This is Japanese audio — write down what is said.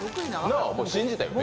信じたよね？